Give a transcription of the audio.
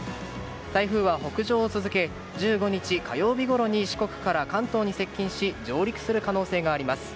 台風は北上を続け１５日火曜日ごろに四国から関東に接近し上陸する可能性があります。